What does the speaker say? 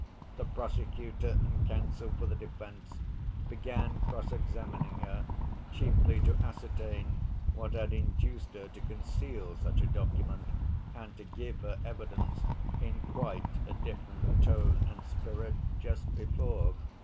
The prosecutor and counsel for the defense began cross‐examining her, chiefly to ascertain what had induced her to conceal such a document and to give her evidence in quite a different tone and spirit just before.